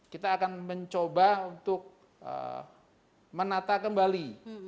kita akan mencoba untuk menata kembali